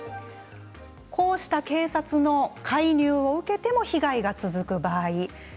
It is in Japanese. こうした警察の介入を受けても被害が続く場合です。